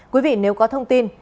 quý vị nếu có thông tin